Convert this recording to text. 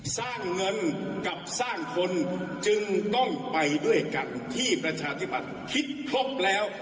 สร้างเงินกับสร้างคนจึงต้องไปด้วยกันที่ประชาธิบัติคิดครบแล้ว